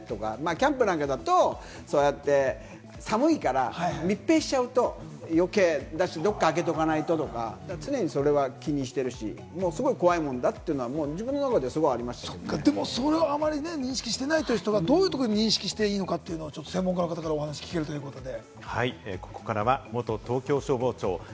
キャンプだと寒いから、密閉しちゃうと余計だし、どこか開けておかないととか、常にそれは気にしてるし、すごい怖いものだっていうのは自分の中それをあまり認識していない人がどういうところを認識していいのか、専門家の方からお話を聞けるということで、